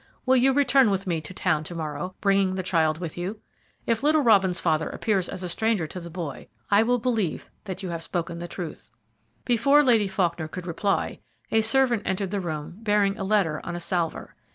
Will you return with me to town to morrow, bringing the child with you? If little Robin's father appears as a stranger to the boy, I will believe that you have spoken the truth." Before Lady Faulkner could reply, a servant entered the room bearing a letter on a salver.